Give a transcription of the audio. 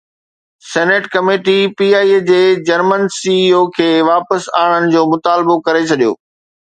senate committee P I A جي German C E O کي واپس آڻڻ جو مطالبو ڪري ڇڏيو